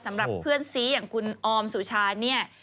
สำหรับเพื่อนซีอย่างคุณออมสุชาเนี่ย